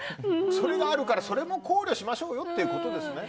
それがあるからそれも考慮しましょうよっていうことですね。